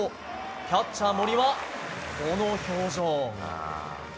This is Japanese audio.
キャッチャー、森はこの表情。